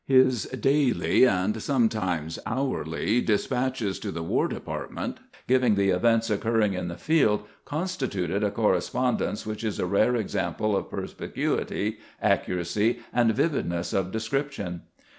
His daily, and sometimes hourly, despatches to the War Department, giving the events occurring in the field, constituted a correspondence which is a rare example of perspicuity, accuracy, and vividness of description.